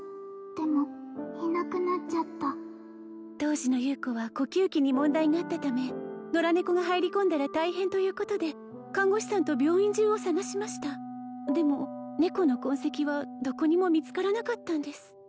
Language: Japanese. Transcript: でもいなくなっちゃった当時の優子は呼吸器に問題があったため野良猫が入り込んだら大変ということで看護師さんと病院中を捜しましたでも猫の痕跡はどこにも見つからなかったんです